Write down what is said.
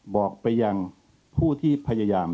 บอกไปยังผู้ที่พยายาม